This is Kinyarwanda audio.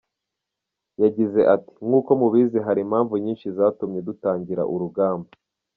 Yagize ati “ Nk’uko mubizi hari impamvu nyinshi zatumye dutangira urugamba.